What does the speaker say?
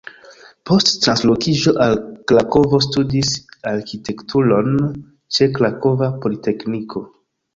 Post translokiĝo al Krakovo studis arkitekturon ĉe Krakova Politekniko.